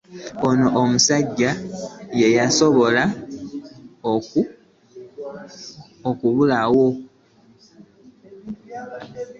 Ono omusajja yeyasobya ku muwala wo.